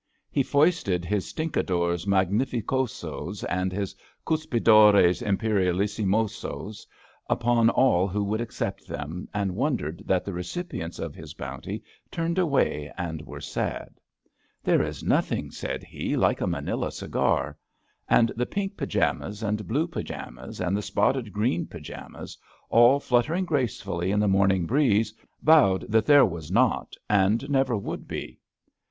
He foisted his Stinkadores Mag nificosas and his Cuspidores Imperiallissimos up on all who would accept them, and wondered that the recipients of his bounty turned away and were sad. There is nothing," said he, like a Ma nila cigar. '* And the pink pyjamas and blue py jamas and the spotted green pyjamas, all flutter ing gracefully in the morning breeze, vowed that there was not and never would be.